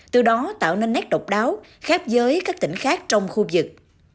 từ đó tạo nên nét độc đáo khác giới các tỉnh khác trong khu vực